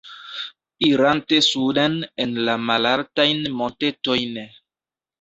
Irante suden en la malaltajn montetojn.